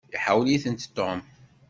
Iḥawel-itent Tom.